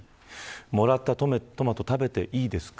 もらったトマト食べていいですか。